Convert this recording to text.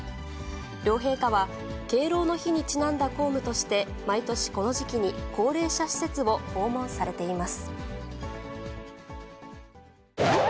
両陛下は、敬老の日にちなんだ公務として、毎年この時期に高齢者施設を訪問されています。